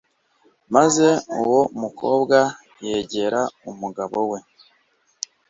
maze uwo mukobwa yegera umugabo we